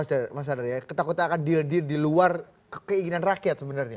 deal deal di luar keinginan rakyat sebenarnya